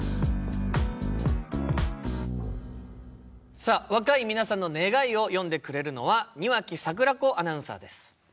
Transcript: さあ若い皆さんの願いを読んでくれるのは庭木櫻子アナウンサーです。